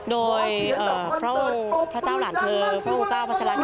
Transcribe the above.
โดยพระเจ้าหลานเธอพระองค์เจ้าพระชรัตนีรักษะ